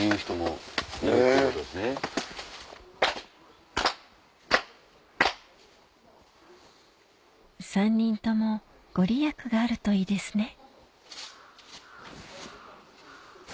３人とも御利益があるといいですね